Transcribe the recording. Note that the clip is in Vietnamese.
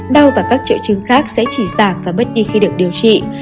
đau và các triệu chứng khác sẽ chỉ giảm và mất đi khi được điều trị